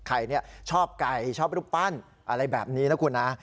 ใครชอบไก่ชอบรูปปั้นอะไรแบบนี้นะคุณนะ